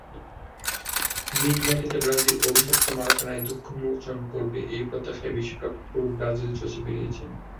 নিজ মাটিতে ব্রাজিল অভিশপ্ত মারাকানার দুঃখমোচন করবে—এই প্রত্যাশায় বিশ্বকাপে পুরো ব্রাজিল চষে বেড়িয়েছেন।